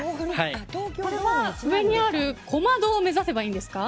これは上にある小窓を目指せばいいんですか？